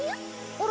あれ？